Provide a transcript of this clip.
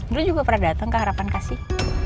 dulu juga pernah datang ke harapan kasih